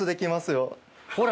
ほら！